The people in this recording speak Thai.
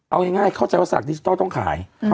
เอาง่ายเข้าใจว่าสลากดิจิทัลต้องขาย